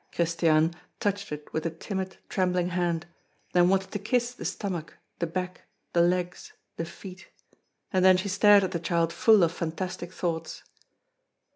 Christiane touched it with a timid, trembling hand, then wanted to kiss the stomach, the back, the legs, the feet, and then she stared at the child full of fantastic thoughts.